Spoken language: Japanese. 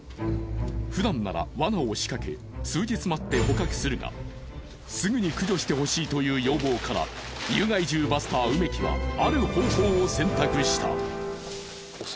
ふだんならわなを仕掛け数日待って捕獲するがすぐに駆除してほしいという要望から有害獣バスター梅木はある方法を選択した。